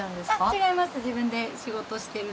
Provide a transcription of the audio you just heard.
違います。